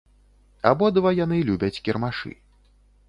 Абодва яны любяць кірмашы.